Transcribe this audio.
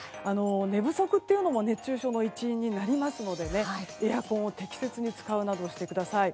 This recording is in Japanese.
寝不足というのも熱中症の一因になりますのでエアコンを適切に使うなどしてください。